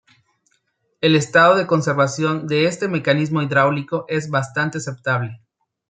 El estado de conservación de este mecanismo hidráulico es bastante aceptable.